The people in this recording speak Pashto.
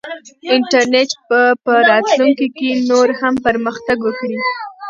انټرنیټ به په راتلونکي کې نور هم پرمختګ وکړي.